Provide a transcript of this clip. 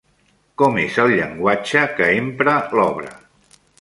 Com és el llenguatge que empra l'obra?